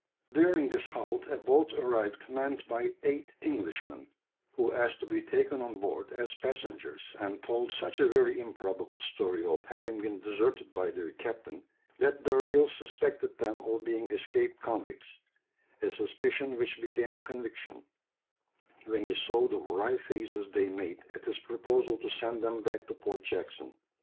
During this halt a boat arrived manned by eight Englishmen, who asked to be taken on board as passengers, and told such a very improbable story of having been deserted by their captain, that D'Urville suspected them of being escaped convicts; a suspicion which became a conviction, when he saw the wry faces they made at his proposal to send them back to Port Jackson.